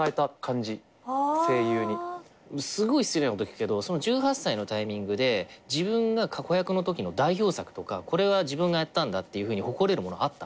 すごい失礼なこと聞くけど１８歳のタイミングで自分が子役のときの代表作とかこれは自分がやったんだっていうふうに誇れるものあった？